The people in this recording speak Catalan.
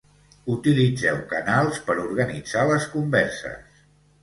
Utilitzeu canals per organitzar les converses